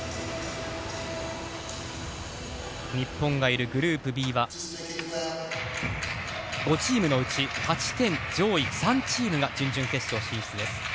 日本がいるグループＢは５チームのうち勝ち点上位３チームが準々決勝進出です。